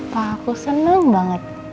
pak aku seneng banget